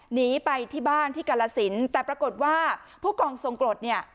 หนีไปที่บ้านที่กาลสินแต่ปรากฏว่าผู้กองทรงกรดเนี่ย